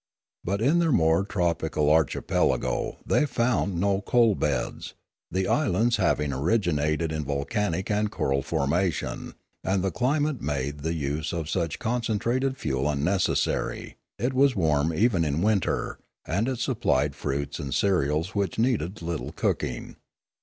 But in their more tropical archipelago they found no coal beds, the islands having originated in volcanic and coral formation; and the climate made the use of such a concentrated fuel unnecessary; it was warm even in winter, and it supplied fruits and cereals which needed little cooking.